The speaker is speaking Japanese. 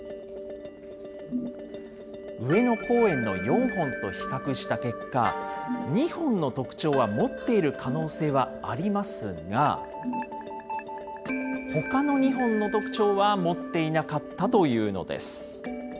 上野公園の４本と比較した結果、２本の特徴は持っている可能性はありますが、ほかの２本の特徴は持っていなかったというのです。